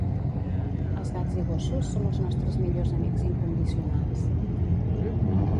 Els gats i gossos són els nostres millors amics incondicionals.